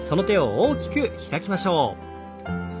大きく開きましょう。